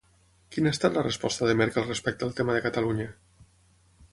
Quina ha estat la resposta de Merkel respecte al tema de Catalunya?